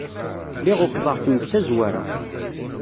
Lliɣ ukḍeɣ-kem deg tazwara.